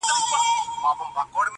فضا له وېري او ظلم ډکه ده او درنه ده,